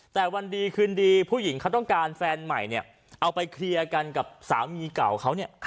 แต่วันดีคืนดีผู้หญิงเขาต้องการแฟนใหม่เนี่ยเอาไปเคลียร์กันกับสามีเก่าเขาเนี่ย